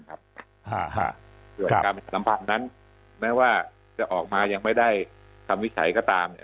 การประสบภัณฑ์นั้นไม่ว่าจะออกมายังไม่ได้คำวิสัยก็ตาม